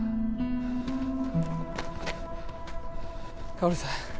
薫さん